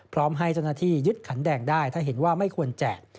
พร้อมให้เจ้าหน้าที่ยึดขันแดงได้ถ้าเห็นว่าไม่ควรแจก